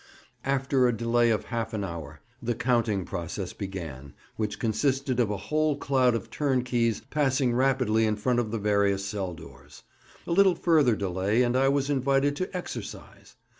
After a delay of half an hour the counting process began, which consisted of a whole cloud of turnkeys passing rapidly in front of the various cell doors. A little further delay, and I was invited to "exercise."